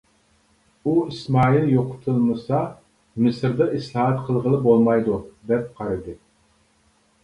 ئۇ ئىسمائىل يوقىتىلمىسا مىسىردا ئىسلاھات قىلغىلى بولمايدۇ، دەپ قارىدى.